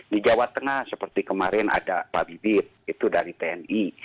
di jawa tengah seperti kemarin ada pak bibit itu dari tni